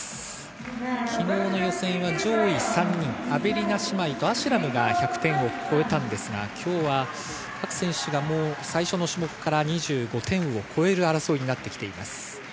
昨日の予選は上位３人、アベリナ姉妹とアシュラムが１００点を超えたのですが、今日は各選手、最初の種目から２５点を超える争いになっています。